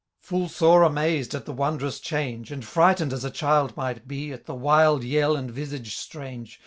Full sore amazed at the wondrous change, And frightened as a child might be. At the wild yell and visage strange.